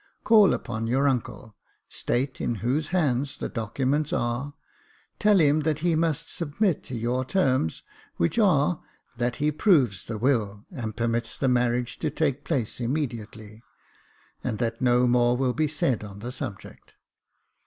Call upon your uncle — state in whose hands the documents are — tell him that he must submit to your terms, which are, that he proves the will, and permits the marriage to take place immediately, and that no more will be said on the subject.